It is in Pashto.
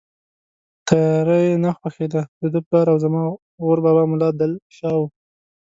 تیاره یې نه خوښېده، دده پلار او زما غور بابا ملا دل شاه و.